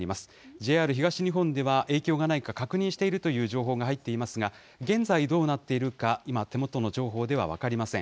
ＪＲ東日本では影響がないか確認しているという情報が入っていますが、現在、どうなっているか、今、手元の情報では分かりません。